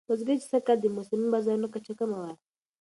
بزګر وویل چې سږکال د موسمي بارانونو کچه کمه وه.